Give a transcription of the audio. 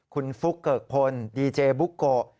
คุณฟุ๊กเกิกพลดีเจบุ๊กโกะ